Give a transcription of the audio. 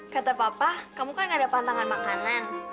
kata papa kamu kan gak dapat tangan makanan